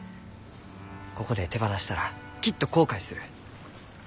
ここで手放したらきっと後悔する。